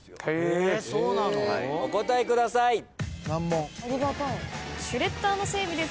お答えください。